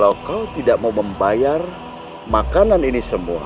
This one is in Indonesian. aku akan membayar makanan ini semua